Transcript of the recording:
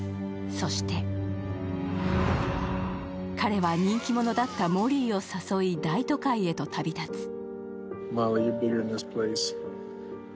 そして彼は人気者だったモリーを誘い、大都会へと旅立つ。